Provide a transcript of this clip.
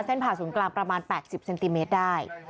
ผ่าศูนย์กลางประมาณ๘๐เซนติเมตรได้